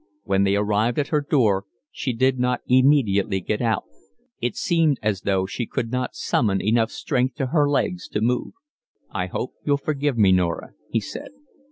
When they arrived at her door she did not immediately get out. It seemed as though she could not summon enough strength to her legs to move. "I hope you'll forgive me, Norah," he said.